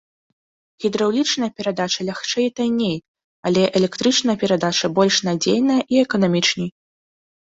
Гідраўлічная перадача лягчэй і танней, але электрычная перадача больш надзейная і эканамічней.